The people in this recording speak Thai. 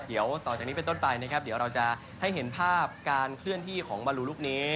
เดี๋ยวต่อจากนี้เป็นต้นไปนะครับเดี๋ยวเราจะให้เห็นภาพการเคลื่อนที่ของบอลลูลูกนี้